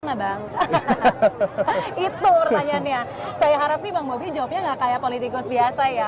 nah bang itu pertanyaannya saya harap sih bang bobi jawabnya nggak kayak politikus biasa ya